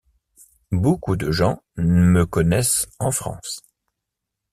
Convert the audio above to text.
Beaucoup de gens me connaissent en France.